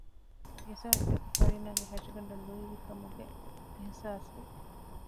އިސާހިތަކު ފަރީނާގެ ހަށިގަނޑަށް ލުއިވިކަމުގެ އިޙްސާސްވި